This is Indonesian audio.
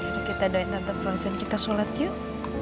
jadi kita doain tante frozen kita sholat yuk